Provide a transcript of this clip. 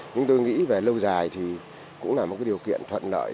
chúng tôi nghĩ về lâu dài thì cũng là một điều kiện thuận lợi